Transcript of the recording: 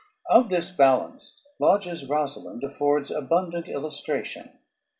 ] Of this balance Lodge's "Rosalynde" affords abundant illustration.